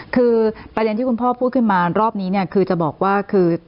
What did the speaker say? คือประเด็นที่คุณพ่อพูดขึ้นมารอบนี้เนี่ยคือจะบอกว่าคือ